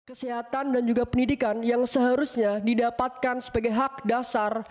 kesehatan dan juga pendidikan yang seharusnya didapatkan sebagai hak dasar